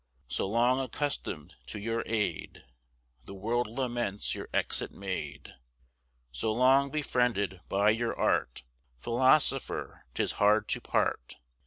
So long accustomed to your aid, The world laments your exit made; So long befriended by your art, Philosopher, 'tis hard to part!